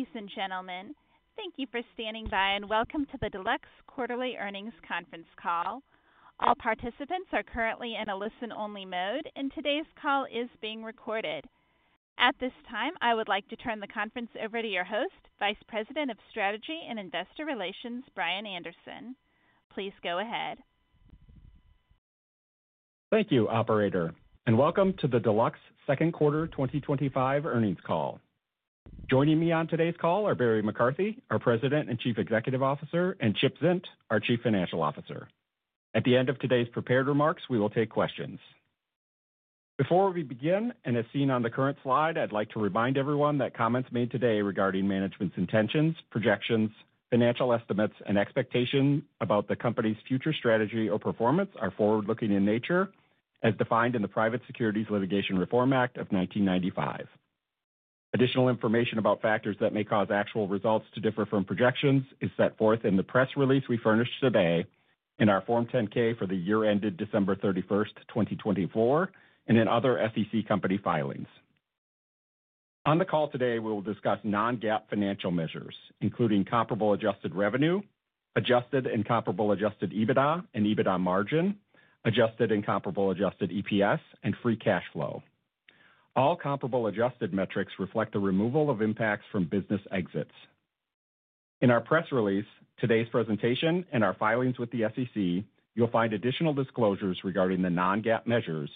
Ladies and gentlemen, thank you for standing by and welcome to the Deluxe Quarterly Earnings Conference Call. All participants are currently in a listen-only mode, and today's call is being recorded. At this time, I would like to turn the conference over to your host, Vice President of Strategy and Investor Relations, Brian Anderson. Please go ahead. Thank you, Operator, and welcome to the Deluxe Second Quarter 2025 Earnings Call. Joining me on today's call are Barry McCarthy, our President and Chief Executive Officer, and Chip Zint, our Chief Financial Officer. At the end of today's prepared remarks, we will take questions. Before we begin, and as seen on the current slide, I'd like to remind everyone that comments made today regarding management's intentions, projections, financial estimates, and expectations about the company's future strategy or performance are forward-looking in nature, as defined in the Private Securities Litigation Reform Act of 1995. Additional information about factors that may cause actual results to differ from projections is set forth in the press release we furnished today in our Form 10-K for the year ended December 31st, 2024, and in other SEC company filings. On the call today, we will discuss non-GAAP financial measures, including comparable adjusted revenue, adjusted and comparable adjusted EBITDA and EBITDA margin, adjusted and comparable adjusted EPS, and free cash flow. All comparable adjusted metrics reflect the removal of impacts from business exits. In our press release, today's presentation, and our filings with the SEC, you'll find additional disclosures regarding the non-GAAP measures,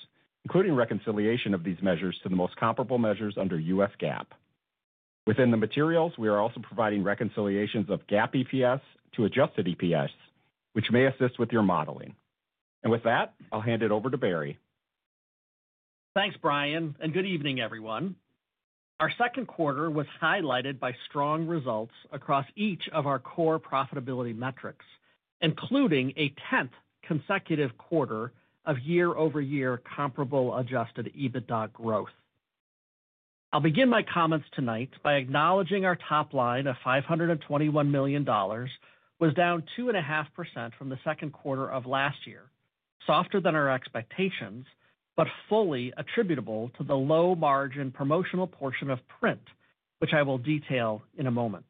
including reconciliation of these measures to the most comparable measures under U.S. GAAP. Within the materials, we are also providing reconciliations of GAAP EPS to adjusted EPS, which may assist with your modeling. With that, I'll hand it over to Barry. Thanks, Brian, and good evening, everyone. Our second quarter was highlighted by strong results across each of our core profitability metrics, including a 10th consecutive quarter of year-over-year comparable adjusted EBITDA growth. I'll begin my comments tonight by acknowledging our top line of $521 million was down 2.5% from the second quarter of last year, softer than our expectations, but fully attributable to the low margin promotional portion of print, which I will detail in a moment.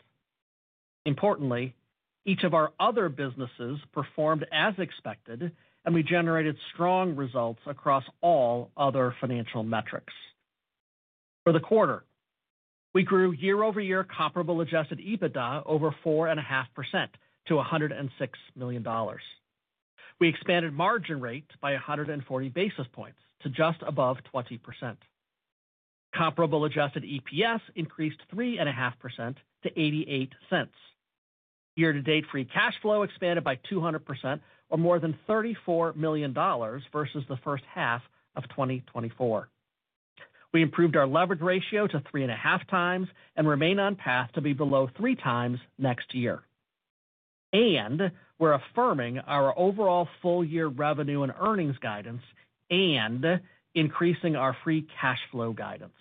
Importantly, each of our other businesses performed as expected, and we generated strong results across all other financial metrics. For the quarter, we grew year-over-year comparable adjusted EBITDA over 4.5% to $106 million. We expanded margin rate by 140 basis points to just above 20%. Comparable adjusted EPS increased 3.5% - $0.88. Year-to-date free cash flow expanded by 200%, or more than $34 million versus the first half of 2024. We improved our leverage ratio to 3.5 times and remain on path to be below three times next year. We are affirming our overall full-year revenue and earnings guidance and increasing our free cash flow guidance.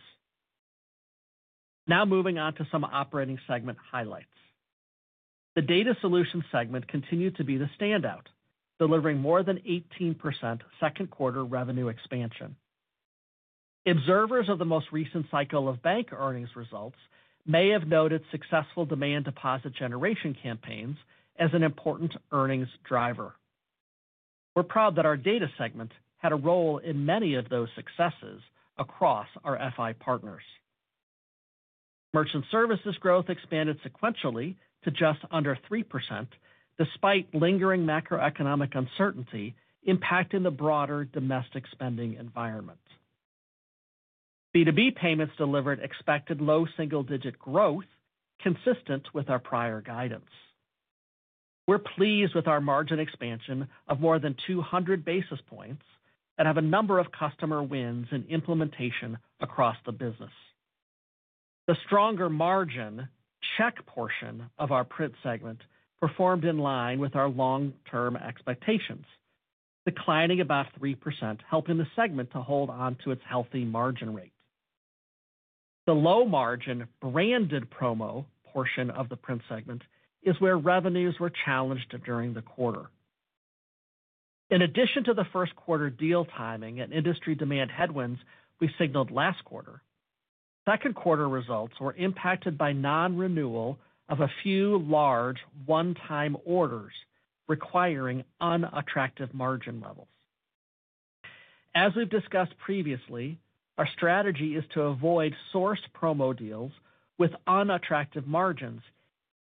Now moving on to some operating segment highlights. The data solutions segment continued to be the standout, delivering more than 18% second quarter revenue expansion. Observers of the most recent cycle of bank earnings results may have noted successful demand deposit generation campaigns as an important earnings driver. We're proud that our data segment had a role in many of those successes across our FI partners. Merchant Services growth expanded sequentially to just under 3%, despite lingering macroeconomic uncertainty impacting the broader domestic spending environment. B2B Payments delivered expected low single-digit growth, consistent with our prior guidance. We're pleased with our margin expansion of more than 200 basis points and have a number of customer wins in implementation across the business. The stronger margin check portion of our print segment performed in line with our long-term expectations, declining about 3%, helping the segment to hold onto its healthy margin rate. The low margin branded promo portion of the print segment is where revenues were challenged during the quarter. In addition to the first quarter deal timing and industry demand headwinds we signaled last quarter, second quarter results were impacted by non-renewal of a few large one-time orders requiring unattractive margin levels. As we've discussed previously, our strategy is to avoid source promo deals with unattractive margins,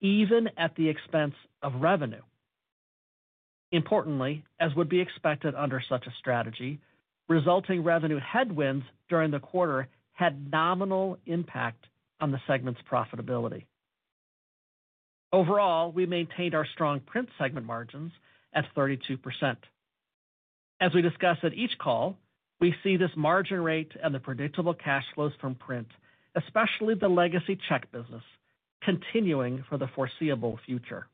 even at the expense of revenue. Importantly, as would be expected under such a strategy, resulting revenue headwinds during the quarter had nominal impact on the segment's profitability. Overall, we maintained our strong print segment margins at 32%. As we discuss at each call, we see this margin rate and the predictable cash flows from print, especially the legacy check business, continuing for the foreseeable future.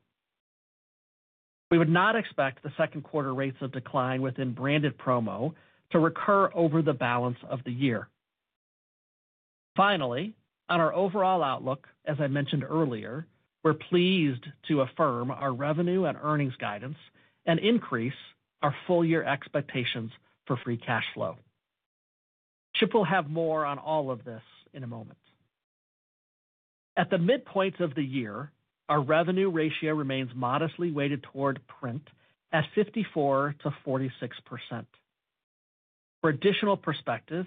We would not expect the second quarter rates of decline within branded promo to recur over the balance of the year. Finally, on our overall outlook, as I mentioned earlier, we're pleased to affirm our revenue and earnings guidance and increase our full-year expectations for free cash flow. Chip will have more on all of this in a moment. At the midpoint of the year, our revenue ratio remains modestly weighted toward print at 54% - 46%. For additional perspective,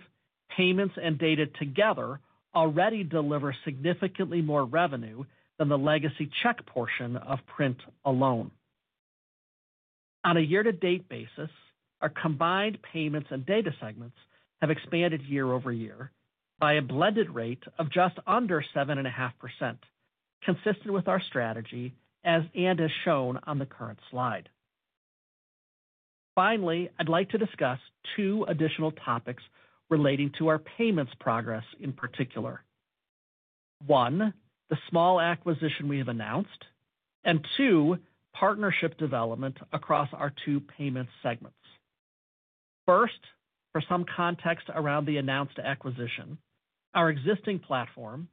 payments and data together already deliver significantly more revenue than the legacy check portion of print alone. On a year-to-date basis, our combined payments and data segments have expanded year-over-year by a blended rate of just under 7.5%, consistent with our strategy, and as shown on the current slide. Finally, I'd like to discuss two additional topics relating to our payments progress in particular, one, the small acquisition we have announced, and two, partnership development across our two payments segments. First, for some context around the announced acquisition, our existing platform,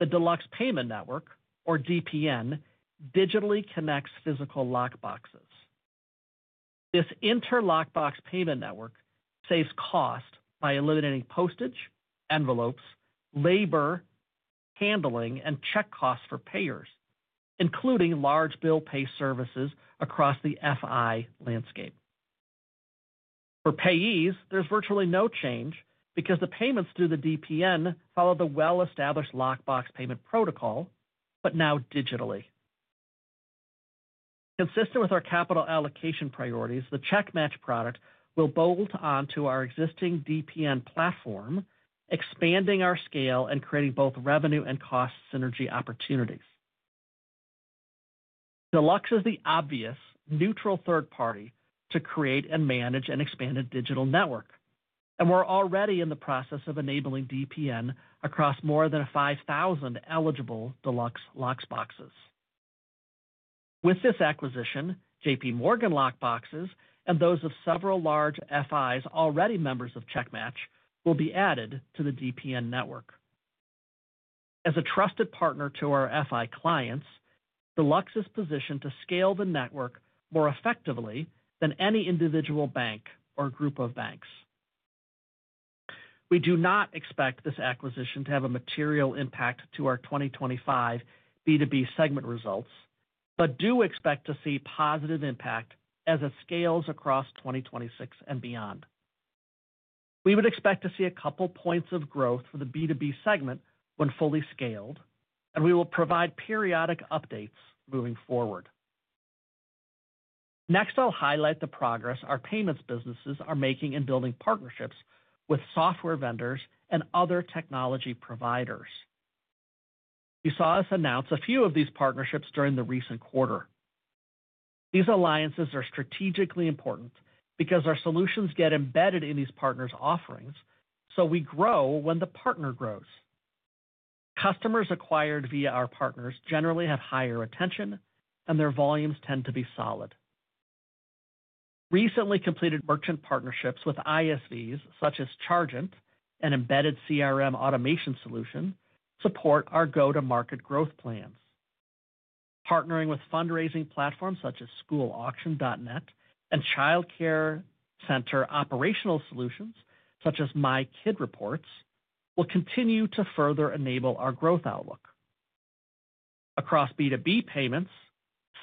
the Deluxe Payment Network, or DPN, digitally connects physical lockboxes. This inter-lockbox payment network saves cost by eliminating postage, envelopes, labor, handling, and check costs for payers, including large bill pay services across the FI landscape. For payees, there's virtually no change because the payments through the DPN follow the well-established lockbox payment protocol, but now digitally. Consistent with our capital allocation priorities, the CheckMatch product will bolt onto our existing DPN platform, expanding our scale and creating both revenue and cost synergy opportunities. Deluxe is the obvious neutral third party to create and manage an expanded digital network, and we're already in the process of enabling DPN across more than 5,000 eligible Deluxe lockboxes. With this acquisition, J.P. Morgan lockboxes and those of several large FIs already members of CheckMatch will be added to the DPN network. As a trusted partner to our FI clients, Deluxe is positioned to scale the network more effectively than any individual bank or group of banks. We do not expect this acquisition to have a material impact to our 2025 B2B segment results, but do expect to see positive impact as it scales across 2026 and beyond. We would expect to see a couple points of growth for the B2B segment when fully scaled, and we will provide periodic updates moving forward. Next, I'll highlight the progress our payments businesses are making in building partnerships with software vendors and other technology providers. You saw us announce a few of these partnerships during the recent quarter. These alliances are strategically important because our solutions get embedded in these partners' offerings, so we grow when the partner grows. Customers acquired via our partners generally have higher retention, and their volumes tend to be solid. Recently completed merchant partnerships with ISVs such as Chargeant and Embedded CRM Automation Solution support our go-to-market growth plans. Partnering with fundraising platforms such as SchoolAuction.net and child care center operational solutions such as MyKidReports will continue to further enable our growth outlook. Across B2B payments,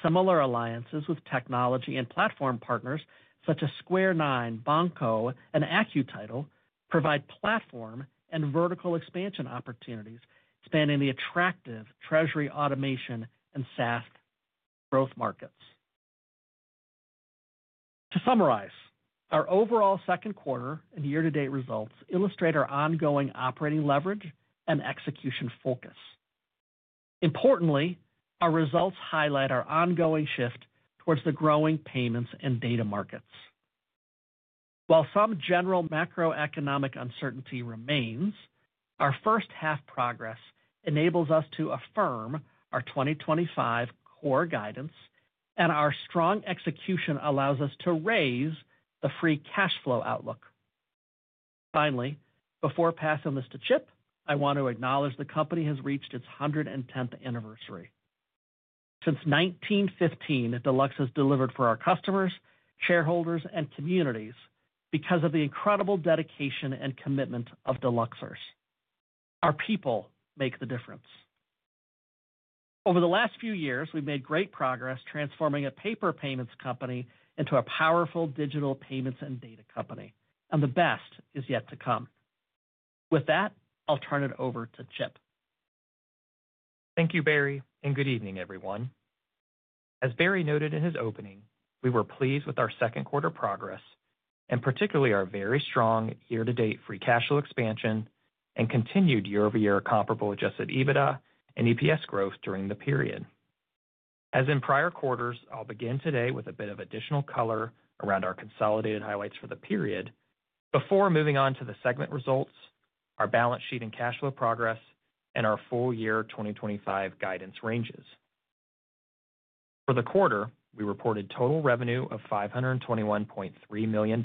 similar alliances with technology and platform partners such as Square 9, Banco, and AccuTitle provide platform and vertical expansion opportunities spanning the attractive treasury automation and SaaS growth markets. To summarize, our overall second quarter and year-to-date results illustrate our ongoing operating leverage and execution focus. Importantly, our results highlight our ongoing shift towards the growing payments and data markets. While some general macroeconomic uncertainty remains, our first half progress enables us to affirm our 2025 core guidance, and our strong execution allows us to raise the free cash flow outlook. Finally, before passing this to Chip, I want to acknowledge the company has reached its 110th anniversary. Since 1915, Deluxe has delivered for our customers, shareholders, and communities because of the incredible dedication and commitment of Deluxers. Our people make the difference. Over the last few years, we've made great progress transforming a paper payments company into a powerful digital payments and data company, and the best is yet to come. With that, I'll turn it over to Chip. Thank you, Barry, and good evening, everyone. As Barry noted in his opening, we were pleased with our second quarter progress, and particularly our very strong year-to-date free cash flow expansion and continued year-over-year comparable adjusted EBITDA and EPS growth during the period. As in prior quarters, I'll begin today with a bit of additional color around our consolidated highlights for the period before moving on to the segment results, our balance sheet and cash flow progress, and our full-year 2025 guidance ranges. For the quarter, we reported total revenue of $521.3 million,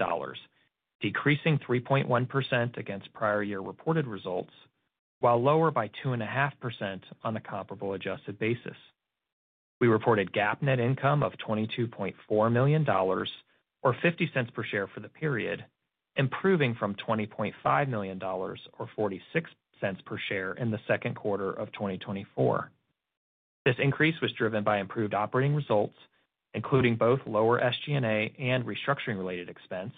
decreasing 3.1% against prior year reported results, while lower by 2.5% on the comparable adjusted basis. We reported GAAP net income of $22.4 million, or $0.50 per share for the period, improving from $20.5 million, or $0.46 per share in the second quarter of 2024. This increase was driven by improved operating results, including both lower SG&A and restructuring-related expense,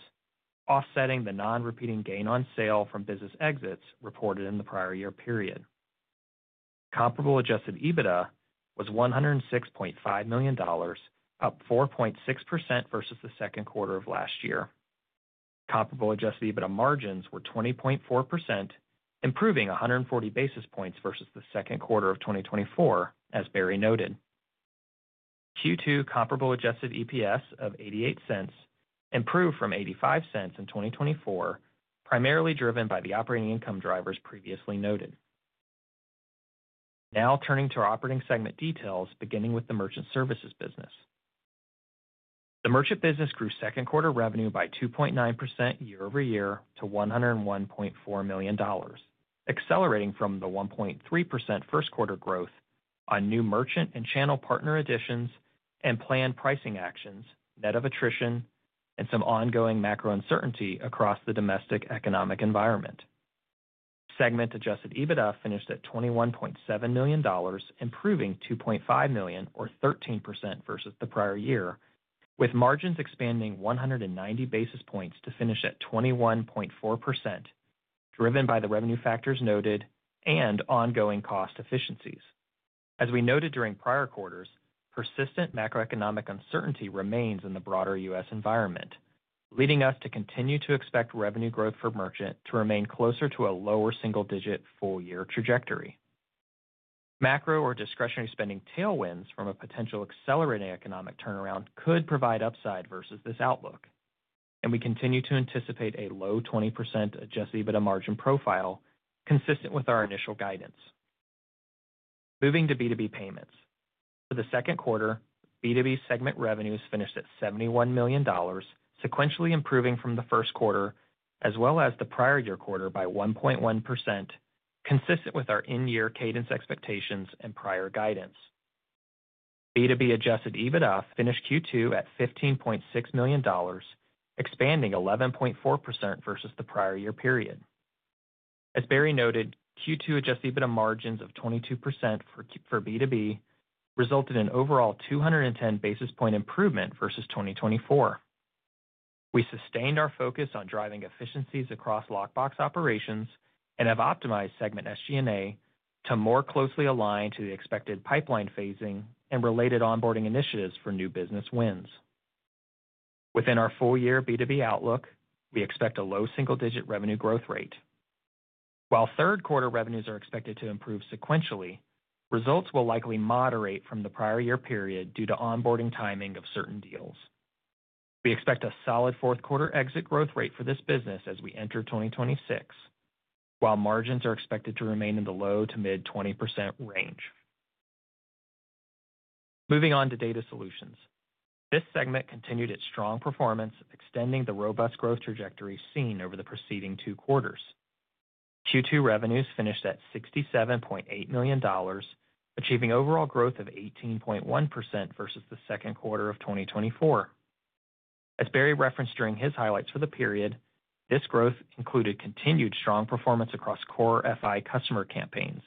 offsetting the non-repeating gain on sale from business exits reported in the prior year period. Comparable adjusted EBITDA was $106.5 million, up 4.6% versus the second quarter of last year. Comparable adjusted EBITDA margins were 20.4%, improving 140 basis points versus the second quarter of 2024, as Barry noted. Q2 comparable adjusted EPS of $0.88 improved from $0.85 in 2024, primarily driven by the operating income drivers previously noted. Now turning to our operating segment details, beginning with the Merchant Services business. The Merchant business grew second quarter revenue by 2.9% year-over-year to $101.4 million, accelerating from the 1.3% first quarter growth on new merchant and channel partner additions and planned pricing actions, net of attrition, and some ongoing macro uncertainty across the domestic economic environment. Segment adjusted EBITDA finished at $21.7 million, improving $2.5 million, or 13% versus the prior year, with margins expanding 190 basis points to finish at 21.4%, driven by the revenue factors noted and ongoing cost efficiencies. As we noted during prior quarters, persistent macroeconomic uncertainty remains in the broader U.S. environment, leading us to continue to expect revenue growth for Merchant to remain closer to a lower single-digit full-year trajectory. Macro or discretionary spending tailwinds from a potential accelerated economic turn around could provide upside versus this outlook, and we continue to anticipate a low 20% adjusted EBITDA margin profile, consistent with our initial guidance. Moving to B2B payments. For the second quarter, B2B segment revenues finished at $71 million, sequentially improving from the first quarter as well as the prior year quarter by 1.1%, consistent with our end-year cadence expectations and prior guidance. B2B adjusted EBITDA finished Q2 at $15.6 million, expanding 11.4% versus the prior year period. As Barry noted, Q2 adjusted EBITDA margins of 22% for B2B resulted in overall 210 basis point improvement versus 2024. We sustained our focus on driving efficiencies across lockbox operations and have optimized segment SG&A to more closely align to the expected pipeline phasing and related onboarding initiatives for new business wins. Within our full-year B2B outlook, we expect a low single-digit revenue growth rate. While third quarter revenues are expected to improve sequentially, results will likely moderate from the prior year period due to onboarding timing of certain deals. We expect a solid fourth quarter exit growth rate for this business as we enter 2026, while margins are expected to remain in the low to mid-20% range. Moving on to data solutions. This segment continued its strong performance, extending the robust growth trajectory seen over the preceding two quarters. Q2 revenues finished at $67.8 million, achieving overall growth of 18.1% versus the second quarter of 2024. As Barry referenced during his highlights for the period, this growth included continued strong performance across core FI customer campaigns.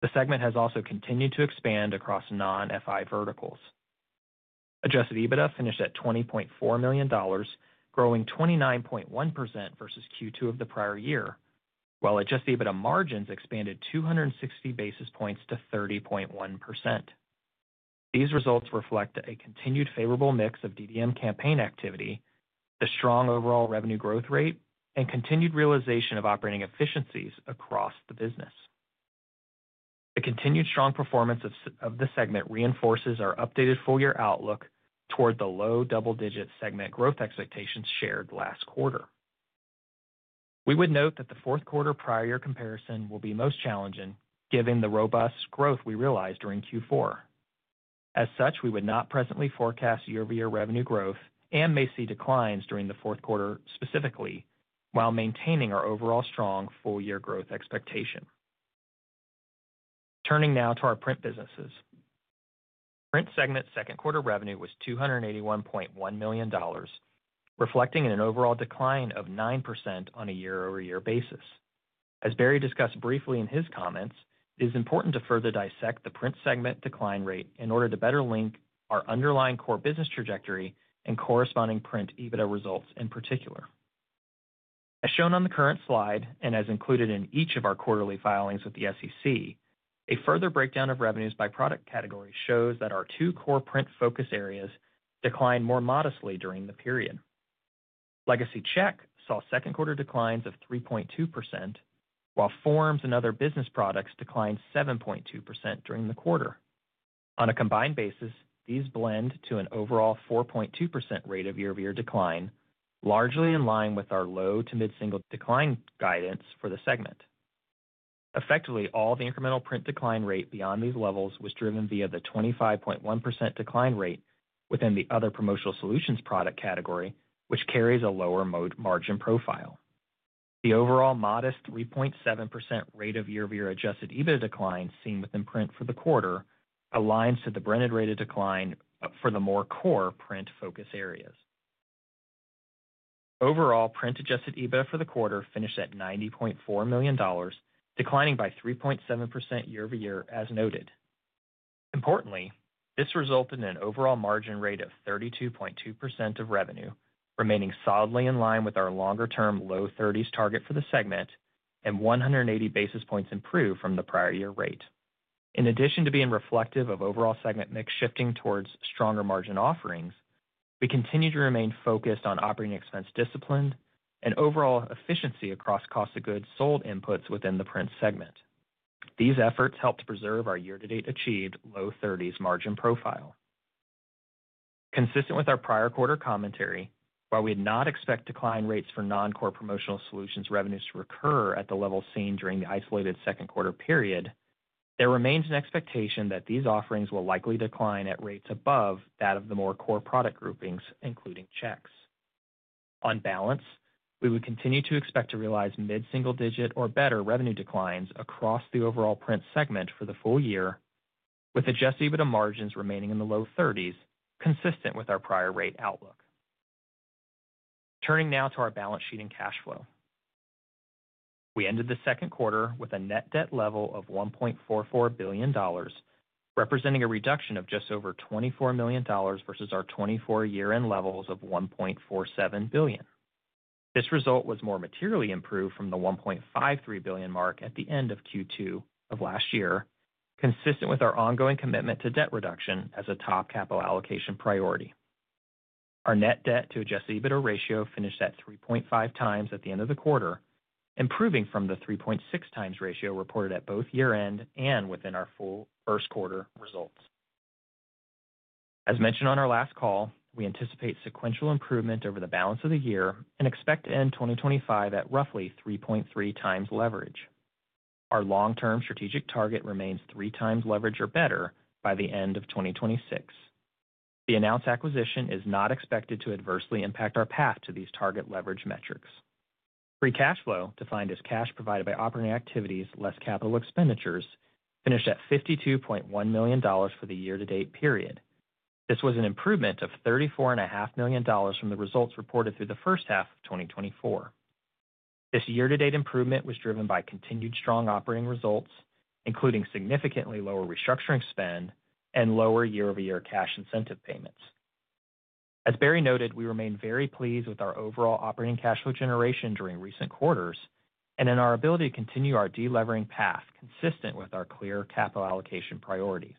The segment has also continued to expand across non-FI verticals. Adjusted EBITDA finished at $20.4 million, growing 29.1% versus Q2 of the prior year, while adjusted EBITDA margins expanded 260 basis points to 30.1%. These results reflect a continued favorable mix of DDM campaign activity, the strong overall revenue growth rate, and continued realization of operating efficiencies across the business. The continued strong performance of this segment reinforces our updated full-year outlook toward the low double-digit segment growth expectations shared last quarter. We would note that the fourth quarter prior year comparison will be most challenging given the robust growth we realized during Q4. As such, we would not presently forecast year-over-year revenue growth and may see declines during the fourth quarter specifically, while maintaining our overall strong full-year growth expectation. Turning now to our print businesses. Print segment second quarter revenue was $281.1 million, reflecting an overall decline of 9% on a year-over-year basis. As Barry discussed briefly in his comments, it is important to further dissect the print segment decline rate in order to better link our underlying core business trajectory and corresponding print EBITDA results in particular. As shown on the current slide and as included in each of our quarterly filings with the SEC, a further breakdown of revenues by product category shows that our two core print focus areas declined more modestly during the period. Legacy check saw second quarter declines of 3.2%, while forms and other business products declined 7.2% during the quarter. On a combined basis, these blend to an overall 4.2% rate of year-over-year decline, largely in line with our low to mid-single decline guidance for the segment. Effectively, all the incremental print decline rate beyond these levels was driven via the 25.1% decline rate within the other promotional solutions product category, which carries a lower margin profile. The overall modest 3.7% rate of year-over-year adjusted EBITDA decline seen within print for the quarter aligns to the branded rate of decline for the more core print focus areas. Overall, print adjusted EBITDA for the quarter finished at $90.4 million, declining by 3.7% year-over-year as noted. Importantly, this resulted in an overall margin rate of 32.2% of revenue, remaining solidly in line with our longer-term low 30s target for the segment and 180 basis points improved from the prior year rate. In addition to being reflective of overall segment mix shifting towards stronger margin offerings, we continue to remain focused on operating expense discipline and overall efficiency across cost of goods sold inputs within the print segment. These efforts helped preserve our year-to-date achieved low 30s margin profile. Consistent with our prior quarter commentary, while we did not expect decline rates for non-core promotional solutions revenues to recur at the level seen during the isolated second quarter period, there remains an expectation that these offerings will likely decline at rates above that of the more core product groupings, including checks. On balance, we would continue to expect to realize mid-single digit or better revenue declines across the overall print segment for the full year, with adjusted EBITDA margins remaining in the low 30s, consistent with our prior rate outlook. Turning now to our balance sheet and cash flow. We ended the second quarter with a net debt level of $1.44 billion, representing a reduction of just over $24 million versus our 2024 year-end levels of $1.47 billion. This result was more materially improved from the $1.53 billion mark at the end of Q2 of last year, consistent with our ongoing commitment to debt reduction as a top capital allocation priority. Our net debt to adjusted EBITDA ratio finished at 3.5 times at the end of the quarter, improving from the 3.6 times ratio reported at both year-end and within our full first quarter results. As mentioned on our last call, we anticipate sequential improvement over the balance of the year and expect to end 2025 at roughly 3.3 times leverage. Our long-term strategic target remains three times leverage or better by the end of 2026. The announced acquisition is not expected to adversely impact our path to these target leverage metrics. Free cash flow, defined as cash provided by operating activities, less capital expenditures, finished at $52.1 million for the year-to-date period. This was an improvement of $34.5 million from the results reported through the first half of 2024. This year-to-date improvement was driven by continued strong operating results, including significantly lower restructuring spend and lower year-over-year cash incentive payments. As Barry noted, we remain very pleased with our overall operating cash flow generation during recent quarters and in our ability to continue our delevering path consistent with our clear capital allocation priorities.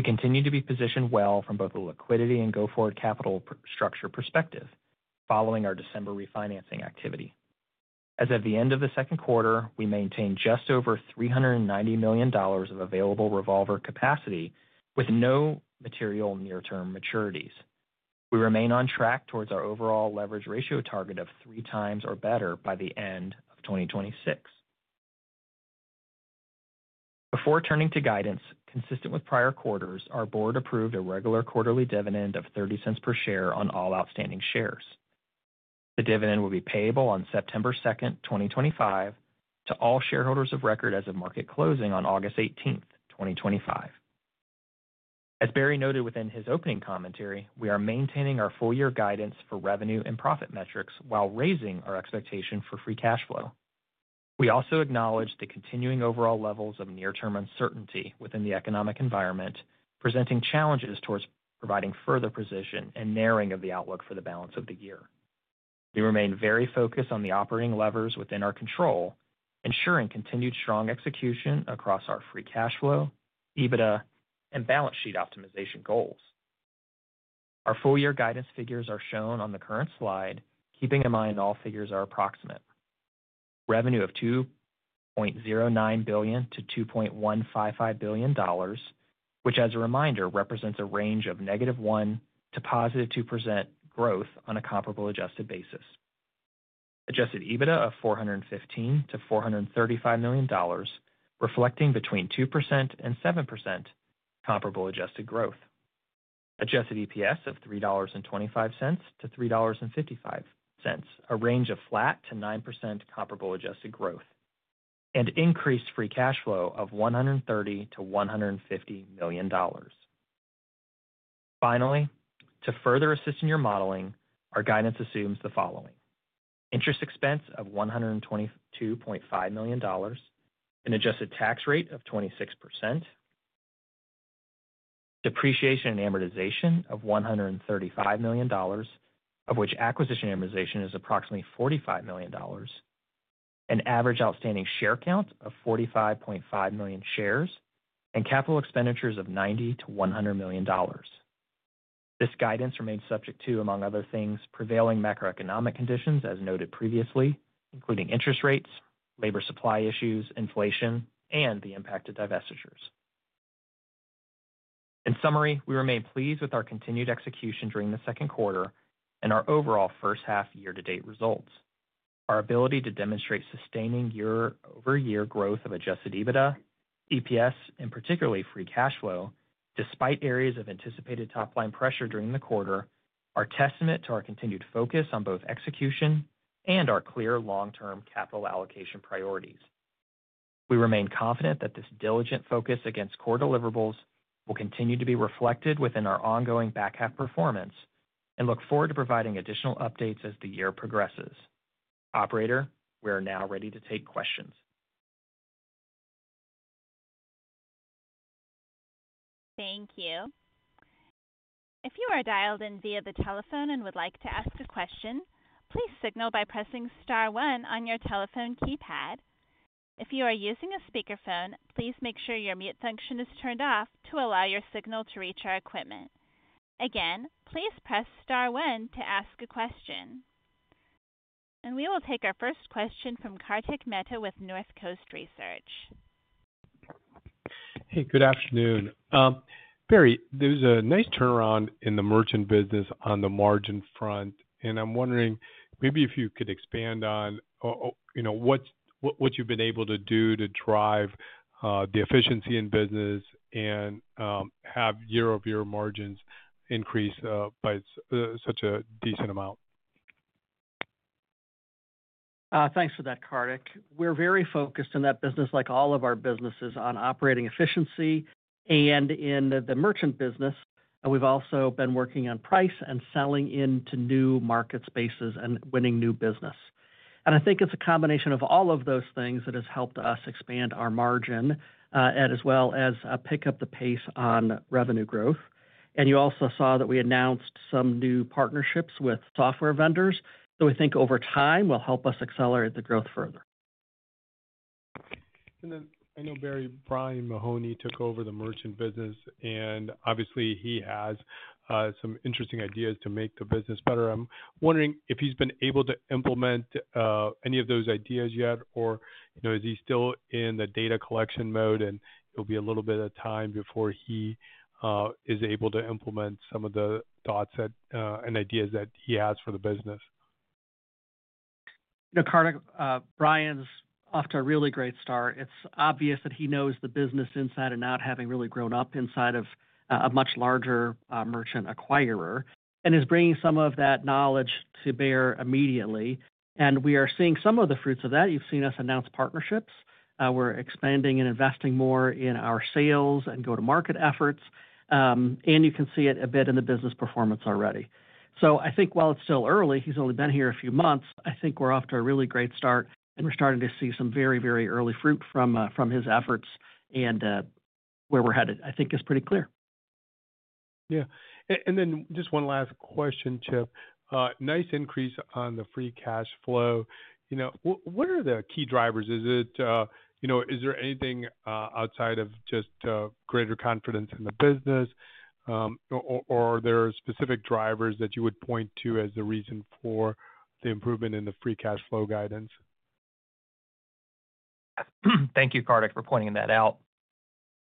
We continue to be positioned well from both a liquidity and go-forward capital structure perspective, following our December refinancing activity. As of the end of the second quarter, we maintain just over $390 million of available revolver capacity with no material near-term maturities. We remain on track towards our overall leverage ratio target of three times or better by the end of 2026. Before turning to guidance, consistent with prior quarters, our board approved a regular quarterly dividend of $0.30 per share on all outstanding shares. The dividend will be payable on September 2nd, 2025, to all shareholders of record as of market closing on August 18th, 2025. As Barry noted within his opening commentary, we are maintaining our full-year guidance for revenue and profit metrics while raising our expectation for free cash flow. We also acknowledge the continuing overall levels of near-term uncertainty within the economic environment, presenting challenges towards providing further position and narrowing of the outlook for the balance of the year. We remain very focused on the operating levers within our control, ensuring continued strong execution across our free cash flow, EBITDA, and balance sheet optimization goals. Our full-year guidance figures are shown on the current slide, keeping in mind all figures are approximate. Revenue of $2.09 billion - $2.155 billion, which as a reminder represents a range of negative 1% - positive 2% growth on a comparable adjusted basis. Adjusted EBITDA of $415 million - $435 million, reflecting between 2% and 7% comparable adjusted growth. Adjusted EPS of $3.25 - $3.55, a range of flat to 9% comparable adjusted growth, and increased free cash flow of $130 million - $150 million. Finally, to further assist in your modeling, our guidance assumes the following, interest expense of $122.5 million, an adjusted tax rate of 26%, depreciation and amortization of $135 million, of which acquisition amortization is approximately $45 million, an average outstanding share count of 45.5 million shares, and capital expenditures of $90 million - $100 million. This guidance remains subject to, among other things, prevailing macroeconomic conditions as noted previously, including interest rates, labor supply issues, inflation, and the impact of divestitures. In summary, we remain pleased with our continued execution during the second quarter and our overall first half year-to-date results. Our ability to demonstrate sustaining year-over-year growth of adjusted EBITDA, EPS, and particularly free cash flow, despite areas of anticipated top line pressure during the quarter, are testament to our continued focus on both execution and our clear long-term capital allocation priorities. We remain confident that this diligent focus against core deliverables will continue to be reflected within our ongoing back half performance and look forward to providing additional updates as the year progresses. Operator, we are now ready to take questions. Thank you. If you are dialed in via the telephone and would like to ask a question, please signal by pressing star one on your telephone keypad. If you are using a speakerphone, please make sure your mute function is turned off to allow your signal to reach our equipment. Again, please press star one to ask a question. We will take our first question from Kartik Mehta with Northcoast Research. Hey, good afternoon. Barry, there's a nice turnaround in the Merchant Services business on the margin front, and I'm wondering if you could expand on what you've been able to do to drive the efficiency in business and have year-over-year margins increase by such a decent amount? Thanks for that, Kartik. We're very focused in that business, like all of our businesses, on operating efficiency. In the merchant business, we've also been working on price and selling into new market spaces and winning new business. I think it's a combination of all of those things that has helped us expand our margin as well as pick up the pace on revenue growth. You also saw that we announced some new partnerships with software vendors that we think over time will help us accelerate the growth further. I know Barry, Brian Mahoney took over the Merchant Services business, and obviously he has some interesting ideas to make the business better. I'm wondering if he's been able to implement any of those ideas yet, or is he still in the data collection mode and it'll be a little bit of time before he is able to implement some of the thoughts and ideas that he has for the business? Kartik, Brian's off to a really great start. It's obvious that he knows the business inside and out, having really grown up inside of a much larger merchant acquirer, and is bringing some of that knowledge to bear immediately. We are seeing some of the fruits of that. You've seen us announce partnerships. We're expanding and investing more in our sales and go-to-market efforts, and you can see it a bit in the business performance already. I think while it's still early, he's only been here a few months, I think we're off to a really great start, and we're starting to see some very, very early fruit from his efforts, and where we're headed, I think, is pretty clear. Yeah, and just one last question, Chip. Nice increase on the free cash flow. What are the key drivers? Is there anything outside of just greater confidence in the business, or are there specific drivers that you would point to as the reason for the improvement in the free cash flow guidance? Thank you, Kartik, for pointing that out.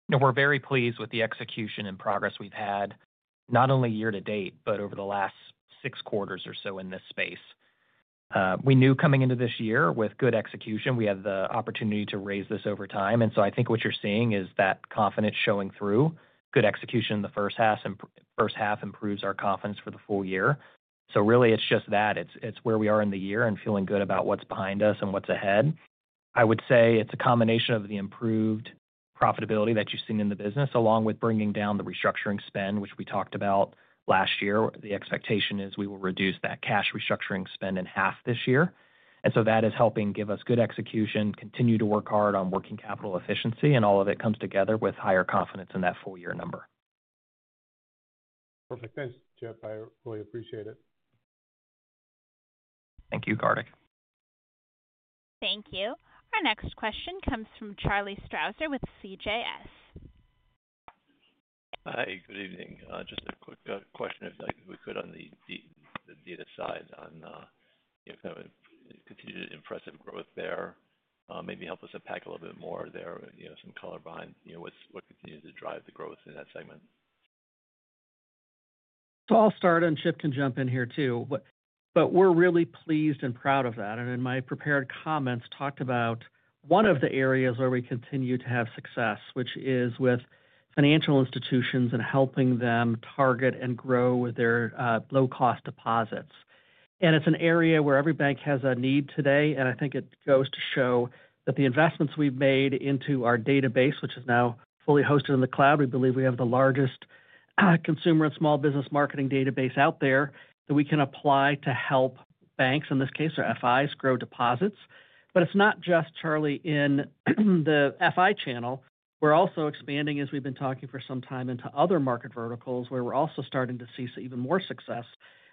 We're very pleased with the execution and progress we've had, not only year to date, but over the last six quarters or so in this space. We knew coming into this year with good execution, we have the opportunity to raise this over time. I think what you're seeing is that confidence showing through. Good execution in the first half improves our confidence for the full year. It's just that. It's where we are in the year and feeling good about what's behind us and what's ahead. I would say it's a combination of the improved profitability that you've seen in the business, along with bringing down the restructuring spend, which we talked about last year. The expectation is we will reduce that cash restructuring spend in half this year. That is helping give us good execution, continue to work hard on working capital efficiency, and all of it comes together with higher confidence in that full year number. Perfect. Thanks, Chip. I really appreciate it. Thank you, Kartik. Thank you. Our next question comes from Charles Strauzer with CJS. Hi, good evening. Just a quick question, if we could, on the data side, you know, kind of continued impressive growth there. Maybe help us unpack a little bit more there, you know, some color behind what's what continues to drive the growth in that segment? I'll start, and Chip can jump in here too. We're really pleased and proud of that. In my prepared comments, I talked about one of the areas where we continue to have success, which is with financial institutions and helping them target and grow their low-cost deposits. It's an area where every bank has a need today. I think it goes to show that the investments we've made into our database, which is now fully hosted in the cloud, we believe we have the largest consumer and small business marketing database out there that we can apply to help banks, in this case, or FIs, grow deposits. It's not just Charlie in the FI channel. We're also expanding, as we've been talking for some time, into other market verticals where we're also starting to see even more success,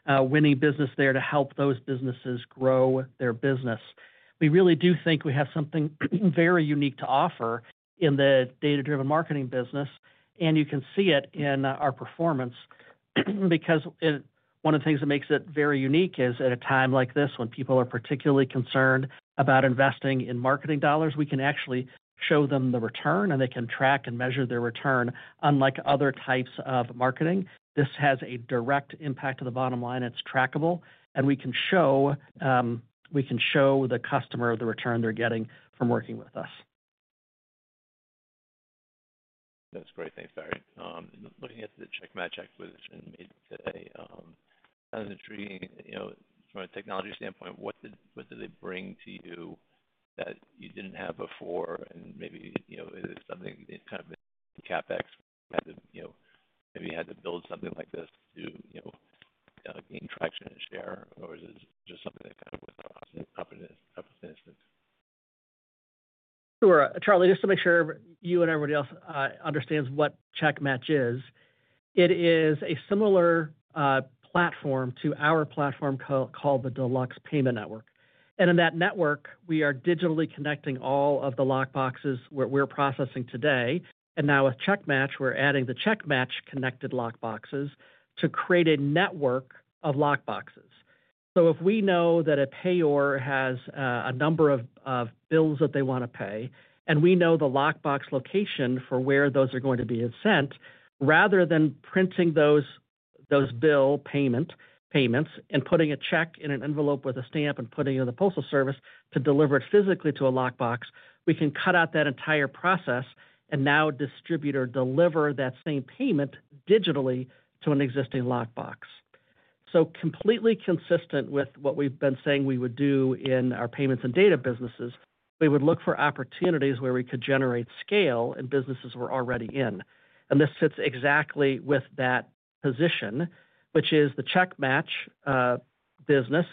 winning business there to help those businesses grow their business. We really do think we have something very unique to offer in the data-driven marketing business. You can see it in our performance because one of the things that makes it very unique is at a time like this, when people are particularly concerned about investing in marketing dollars, we can actually show them the return, and they can track and measure their return, unlike other types of marketing. This has a direct impact to the bottom line. It's trackable, and we can show the customer the return they're getting from working with us. That's great. Thanks, Barry. Looking at the CheckMatch acquisitions you made today, it's intriguing. From a technology standpoint, what did they bring to you that you didn't have before? Is it something that kind of the CapEx had to, maybe you had to build something like this to gain traction in the share, or is it just something that was kind of opportunistic? Sure. Charlie, just to make sure you and everybody else understand what CheckMatch is, it is a similar platform to our platform called the Deluxe Payment Network. In that network, we are digitally connecting all of the lockboxes where we're processing today. Now with CheckMatch, we're adding the CheckMatch connected lockboxes to create a network of lockboxes. If we know that a payor has a number of bills that they want to pay, and we know the lockbox location for where those are going to be sent, rather than printing those bill payments and putting a check in an envelope with a stamp and putting it in the postal service to deliver it physically to a lockbox, we can cut out that entire process and now distribute or deliver that same payment digitally to an existing lockbox. So completely consistent with what we've been saying we would do in our payments and data solutions businesses. We would look for opportunities where we could generate scale in businesses we're already in. This sits exactly with that position, which is the CheckMatch business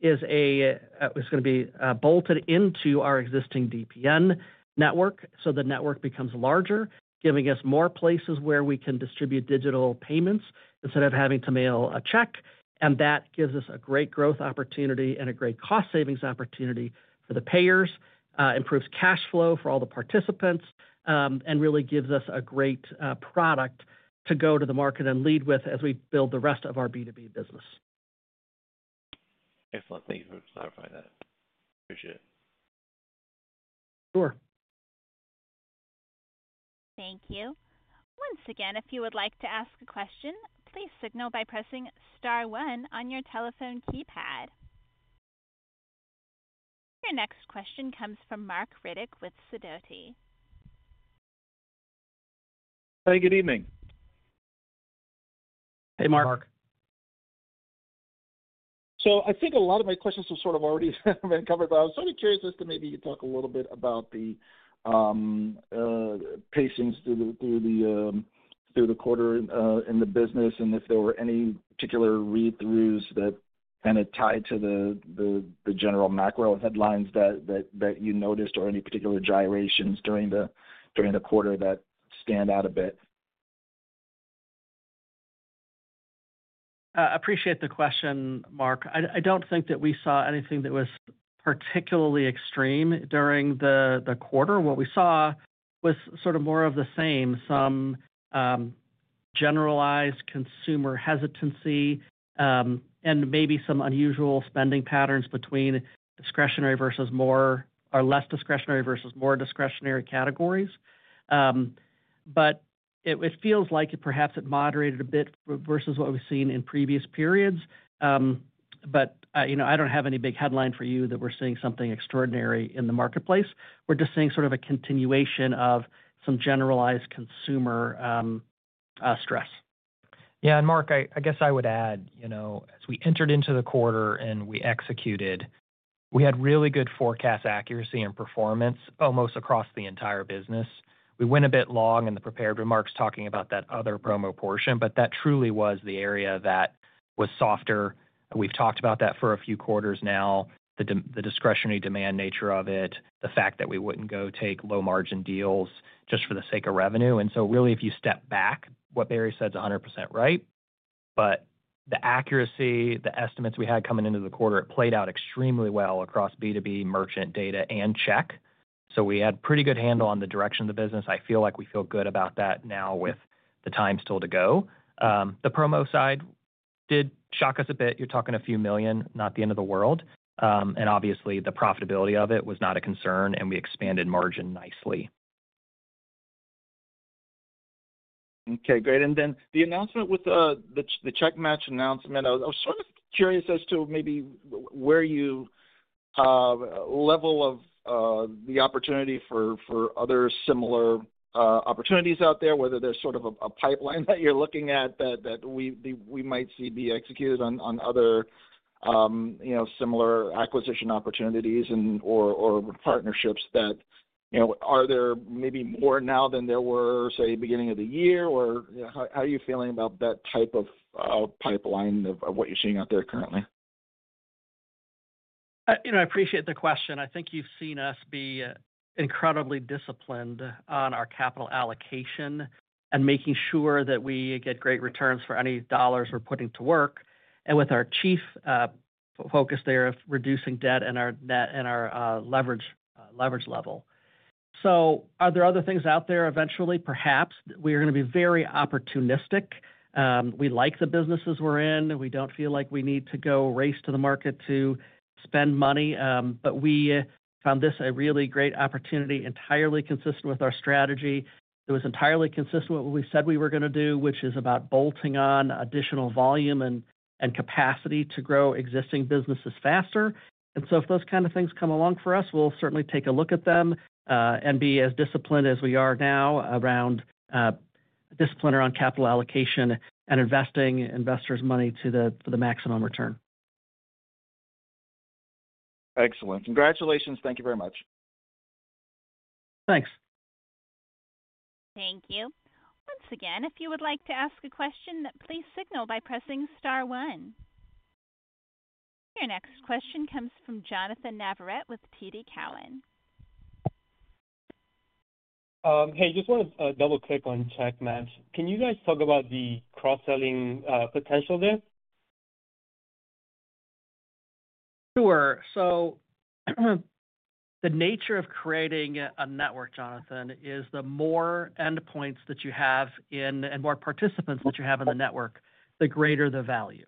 is going to be bolted into our existing DPN, Network. The network becomes larger, giving us more places where we can distribute digital payments instead of having to mail a check. That gives us a great growth opportunity and a great cost savings opportunity for the payors, improves cash flow for all the participants, and really gives us a great product to go to the market and lead with as we build the rest of our B2B business. Excellent. Thank you for clarifying that. Appreciate it. Sure. Thank you. Once again, if you would like to ask a question, please signal by pressing star one on your telephone keypad. Your next question comes from Marc Riddick with Sidoti. Hi, good evening. Hey, Mark. Hey, Mark. I think a lot of my questions have sort of already been covered, but I was sort of curious as to maybe you talk a little bit about the pacings through the quarter in the business and if there were any particular read-throughs that kind of tied to the general macro headlines that you noticed or any particular gyrations during the quarter that stand out a bit? Appreciate the question, Marc. I don't think that we saw anything that was particularly extreme during the quarter. What we saw was sort of more of the same, some generalized consumer hesitancy and maybe some unusual spending patterns between discretionary versus more or less discretionary versus more discretionary categories. It feels like it perhaps moderated a bit versus what we've seen in previous periods. I don't have any big headline for you that we're seeing something extraordinary in the marketplace. We're just seeing sort of a continuation of some generalized consumer stress. Yeah, and Marc, I guess I would add, as we entered into the quarter and we executed, we had really good forecast accuracy and performance almost across the entire business. We went a bit long in the prepared remarks talking about that other promo portion, but that truly was the area that was softer. We've talked about that for a few quarters now, the discretionary demand nature of it, the fact that we wouldn't go take low margin deals just for the sake of revenue. If you step back, what Barry said is 100% right. The accuracy, the estimates we had coming into the quarter, it played out extremely well across B2B, Merchant, Data, and Check. We had a pretty good handle on the direction of the business. I feel like we feel good about that now with the time still to go. The promo side did shock us a bit. You're talking a few million, not the end of the world. Obviously, the profitability of it was not a concern, and we expanded margin nicely. Okay, great. The announcement with the CheckMatch announcement, I was sort of curious as to maybe where you level the opportunity for other similar opportunities out there, whether there's sort of a pipeline that you're looking at that we might see be executed on, you know, similar acquisition opportunities and/or partnerships. Are there maybe more now than there were, say, beginning of the year, or how are you feeling about that type of pipeline of what you're seeing out there currently? I appreciate the question. I think you've seen us be incredibly disciplined on our capital allocation and making sure that we get great returns for any dollars we're putting to work, with our chief focus there of reducing debt and our net and our leverage level. Are there other things out there eventually, perhaps? We are going to be very opportunistic. We like the businesses we're in. We don't feel like we need to go race to the market to spend money. We found this a really great opportunity, entirely consistent with our strategy. It was entirely consistent with what we said we were going to do, which is about bolting on additional volume and capacity to grow existing businesses faster. If those kinds of things come along for us, we'll certainly take a look at them and be as disciplined as we are now around discipline around capital allocation and investing investors' money to the maximum return. Excellent. Congratulations. Thank you very much. Thanks. Thank you. Once again, if you would like to ask a question, please signal by pressing star one. Your next question comes from Jonnathan Navarrete with TD Cowen. Hey, I just want to double-click on CheckMatch. Can you guys talk about the cross-selling potential there? Sure. The nature of creating a network, Jonnathan, is the more endpoints that you have and more participants that you have in the network, the greater the value.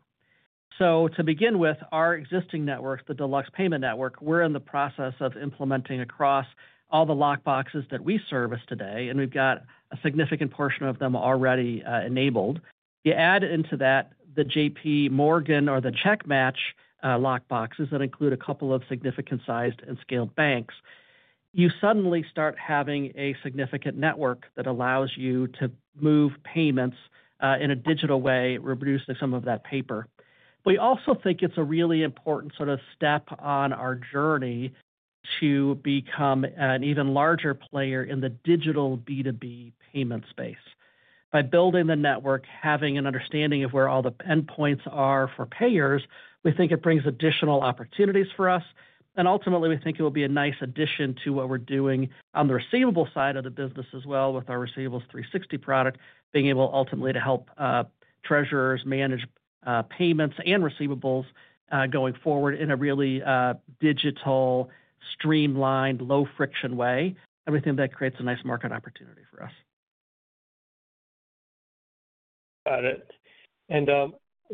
To begin with, our existing networks, the Deluxe Payment Network, we're in the process of implementing across all the lockboxes that we service today, and we've got a significant portion of them already enabled. You add into that the J.P. Morgan or the CheckMatch lockboxes that include a couple of significant sized and scaled banks. You suddenly start having a significant network that allows you to move payments in a digital way, reducing some of that paper. We also think it's a really important sort of step on our journey to become an even larger player in the digital B2B payment space. By building the network, having an understanding of where all the endpoints are for payers, we think it brings additional opportunities for us. Ultimately, we think it will be a nice addition to what we're doing on the receivables side of the business as well with our Receivables 360 product, being able ultimately to help treasurers manage payments and receivables going forward in a really digital, streamlined, low friction way. We think that creates a nice market opportunity for us. Got it.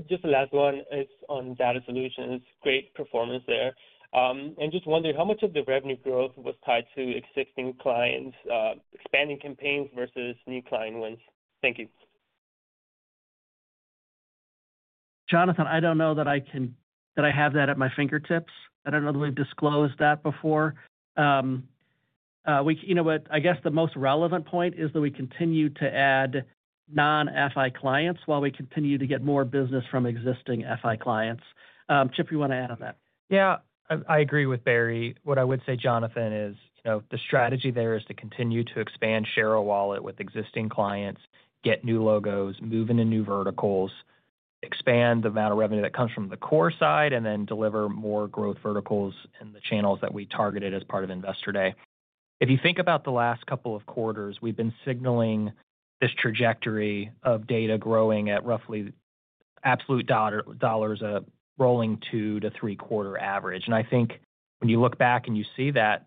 Just the last one, it's on data solutions. Great performance there. I'm just wondering how much of the revenue growth was tied to existing clients expanding campaigns versus new client ones? Thank you. Jonathan, I don't know that I have that at my fingertips. I don't know that we've disclosed that before. I guess the most relevant point is that we continue to add non-FI clients while we continue to get more business from existing FI clients. Chip, you want to add on that? Yeah, I agree with Barry. What I would say, Jonathan, is the strategy there is to continue to expand Share a Wallet with existing clients, get new logos, move into new verticals, expand the amount of revenue that comes from the core side, and then deliver more growth verticals in the channels that we targeted as part of Investor Day. If you think about the last couple of quarters, we've been signaling this trajectory of data growing at roughly absolute dollars rolling two to three quarter average. I think when you look back and you see that,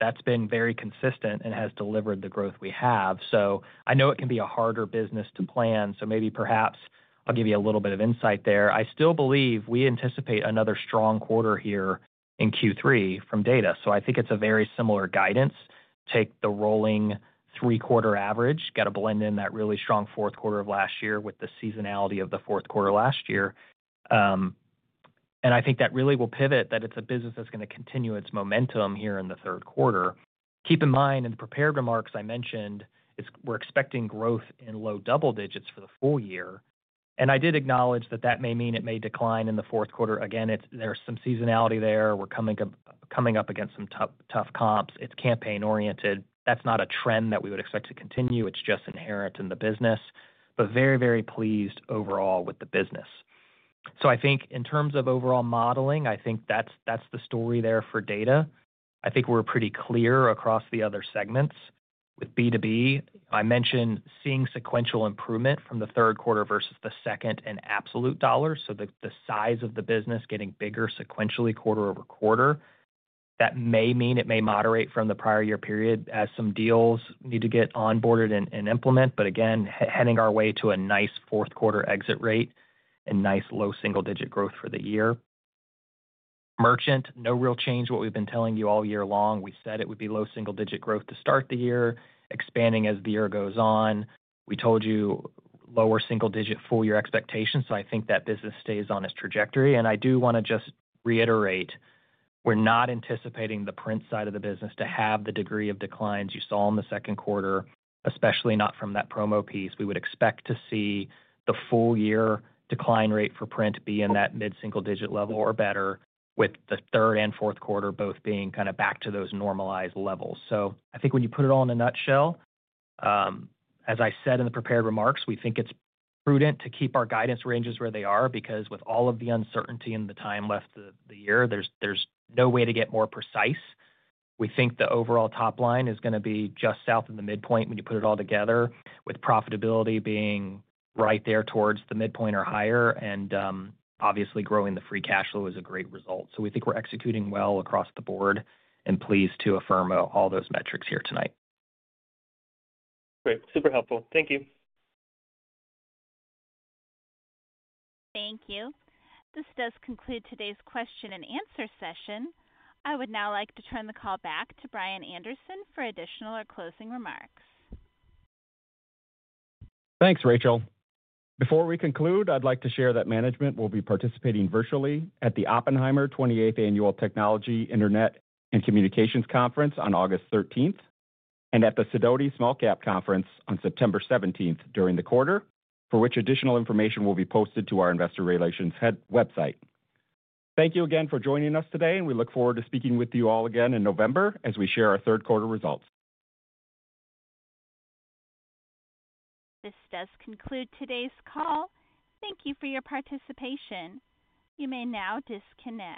that's been very consistent and has delivered the growth we have. I know it can be a harder business to plan. Perhaps I'll give you a little bit of insight there. I still believe we anticipate another strong quarter here in Q3 from data. I think it's a very similar guidance. Take the rolling three quarter average, got to blend in that really strong fourth quarter of last year with the seasonality of the fourth quarter last year. I think that really will pivot that it's a business that's going to continue its momentum here in the third quarter. Keep in mind in the prepared remarks I mentioned, we're expecting growth in low double digits for the full year. I did acknowledge that that may mean it may decline in the fourth quarter. Again, there's some seasonality there. We're coming up against some tough comps. It's campaign-oriented. That's not a trend that we would expect to continue. It's just inherent in the business. Very, very pleased overall with the business. I think in terms of overall modeling, I think that's the story there for data. I think we're pretty clear across the other segments. With B2B, I mentioned seeing sequential improvement from the third quarter versus the second and absolute dollars. The size of the business getting bigger sequentially quarter-over-quarter. That may mean it may moderate from the prior year period as some deals need to get onboarded and implemented. Again, heading our way to a nice fourth quarter exit rate and nice low single-digit growth for the year. Merchant, no real change what we've been telling you all year long. We said it would be low single-digit growth to start the year, expanding as the year goes on. We told you lower single-digit full-year expectations. I think that business stays on its trajectory. I do want to just reiterate, we're not anticipating the print side of the business to have the degree of declines you saw in the second quarter, especially not from that promo piece. We would expect to see the full-year decline rate for print be in that mid-single-digit level or better, with the third and fourth quarter both being kind of back to those normalized levels. I think when you put it all in a nutshell, as I said in the prepared remarks, we think it's prudent to keep our guidance ranges where they are because with all of the uncertainty and the time left in the year, there's no way to get more precise. We think the overall top line is going to be just south of the midpoint when you put it all together, with profitability being right there towards the midpoint or higher, and obviously growing the free cash flow is a great result. We think we're executing well across the board and pleased to affirm all those metrics here tonight. Great. Super helpful. Thank you. Thank you. This does conclude today's question and answer session. I would now like to turn the call back to Brian Anderson for additional or closing remarks. Thanks, Rachel. Before we conclude, I'd like to share that management will be participating virtually at the Oppenheimer 28th Annual Technology, Internet, and Communications Conference on August 13th, and at the Sidoti Small Cap Conference on September 17th during the quarter, for which additional information will be posted to our Investor Relations website. Thank you again for joining us today, and we look forward to speaking with you all again in November as we share our third quarter results. This does conclude today's call. Thank you for your participation. You may now disconnect.